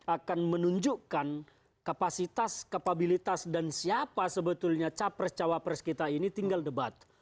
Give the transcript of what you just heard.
akan menunjukkan kapasitas kapabilitas dan siapa sebetulnya capres cawapres kita ini tinggal debat